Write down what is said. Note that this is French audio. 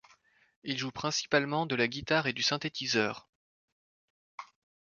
Il joue principalement de la guitare et du synthétiseur.